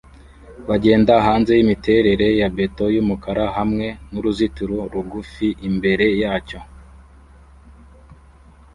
bagenda hanze yimiterere ya beto yumukara hamwe nuruzitiro rugufi imbere yacyo